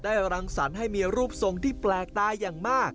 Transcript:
รังสรรค์ให้มีรูปทรงที่แปลกตาอย่างมาก